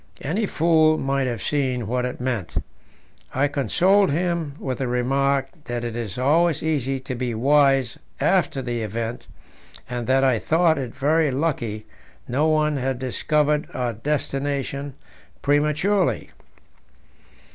Any fool might have seen what it meant." I consoled him with the remark that it is always easy to be wise after the event, and that I thought it very lucky no one had discovered our destination prematurely.